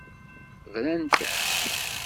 Brant-am.